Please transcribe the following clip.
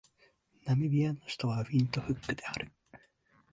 ナミビアの首都はウィントフックである